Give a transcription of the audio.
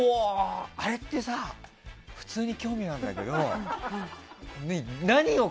あれってさ普通に興味があるんだけどよ